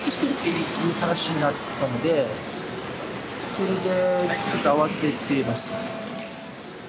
それでちょっと慌ててます。